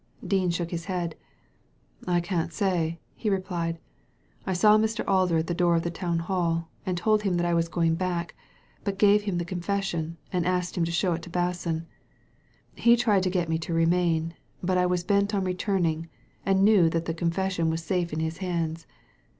Dean shook his head. " I can't say/' he replied. " I saw Mr. Alder at the door of the Town Hall, and told him that I was going back, but gave him the confession, and asked him to show it to Basson. He tried to get me to remain, but I was bent on return ing, and knew that the confession was safe in his hands.